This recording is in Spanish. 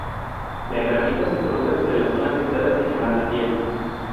La herramienta se coloca sobre la zona afectada sin quemar la piel.